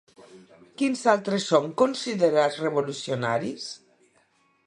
Quins altres són considerats revolucionaris?